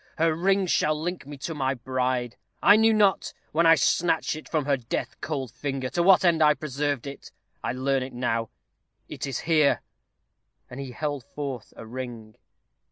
Her ring shall link me to my bride. I knew not, when I snatched it from her death cold finger, to what end I preserved it. I learn it now. It is here." And he held forth a ring.